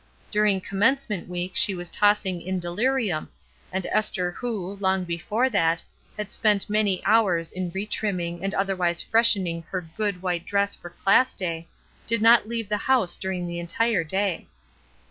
During Commencement week she was tossing m delirium, and Esther who, long before that, had spent many hours in retrimming and otherwise freshenmg her "good" white dress DISCIPLINE 241 for class day, did not leave the house during the entire day.